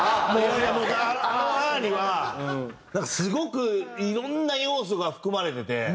あの「ああ」にはすごくいろんな要素が含まれてて。